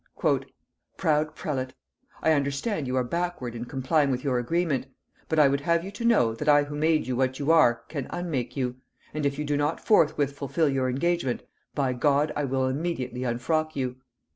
"Proud prelate; "I understand you are backward in complying with your agreement; but I would have you to know, that I who made you what you are can unmake you; and if you do not forthwith fulfil your engagement, by God I will immediately unfrock you.